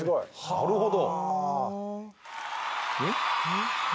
なるほど。